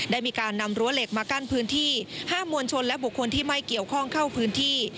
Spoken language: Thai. ได้มีการนำรั้วเหล็กมากั้นพื้นที่ห้ามมวลชนและบุคคลที่ไม่เกี่ยวข้องเข้าพื้นที่